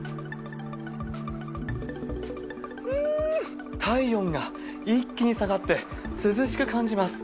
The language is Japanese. うーん、体温が一気に下がって、涼しく感じます。